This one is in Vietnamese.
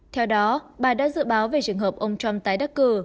theo đó bà đã dự báo về trường hợp ông trump tái đắc cử